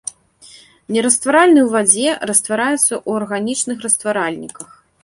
Нерастваральны ў вадзе, раствараецца ў арганічных растваральніках.